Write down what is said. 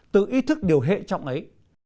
tự ý thức điều hệ trong ấy